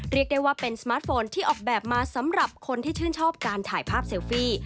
เรียกได้ว่าเป็นสมาร์ทโฟนที่ออกแบบมาสำหรับคนที่ชื่นชอบการถ่ายภาพเซลฟี่